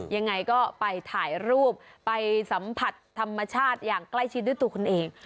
ยังไงก็ไปถ่ายรูปไปสัมผัสธรรมชาติอย่างใกล้ชิดด้วยตัวคุณเอง